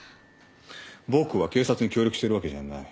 僕は警察に協力しているわけじゃない。